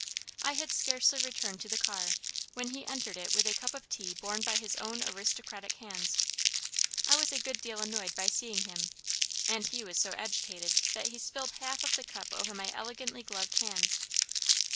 I had scarcely returned to the car, when he entered it with a cup of tea borne by his own aristocratic hands. I was a good deal annoyed by seeing him, and he was so agitated that he spilled half of the cup over my elegantly gloved hands.